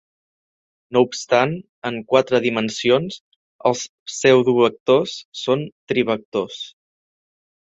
No obstant, en quatre dimensions, els pseudovectors són trivectors.